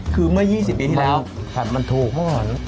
คือเมื่อ๒๐ปีที่แล้วมันถูกเหมือนกัน